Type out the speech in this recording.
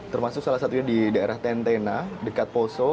termasuk salah satunya di daerah tentena dekat poso